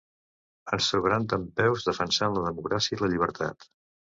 Ens trobaran dempeus defensant la democràcia i la llibertat.